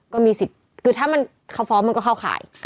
ก็มีสิทธิ์คือถ้าเขาฟ้องมันก็เข้าข่าย